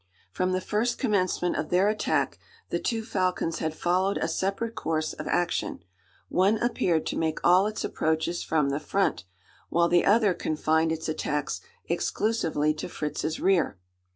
From the first commencement of their attack, the two falcons had followed a separate course of action. One appeared to make all its approaches from the front; while the other confined its attacks exclusively to Fritz's rear.